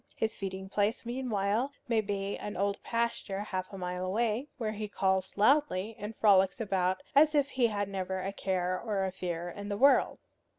His feeding place meanwhile may be an old pasture half a mile away, where he calls loudly, and frolics about as if he had never a care or a fear in the world.